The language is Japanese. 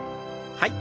はい。